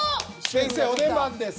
先生お出番です。